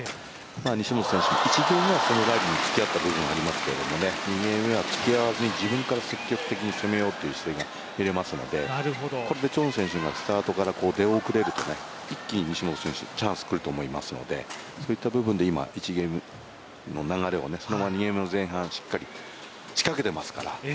西本選手、１ゲーム目はそのラリーにつきあった部分はありましたけど２ゲーム目は自分から積極的に攻めようという姿勢が見えますのでこれでチョン選手がスタートから出遅れるとね、一気に西本選手にチャンスがくると思いますのでそういった部分で今、１ゲームの流れをそのまま２ゲーム目の前半しっかり仕掛けていますから。